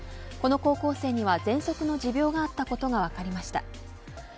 この高校生にはぜんそくの持病があったことが分かりました。